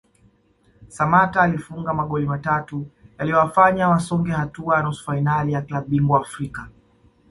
Samatta alifunga magoli matatu yaliyowafanya wasonge hatua ya nusu fainali ya klabu bingwa Afrika